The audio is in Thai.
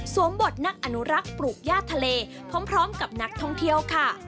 บทนักอนุรักษ์ปลูกย่าทะเลพร้อมกับนักท่องเที่ยวค่ะ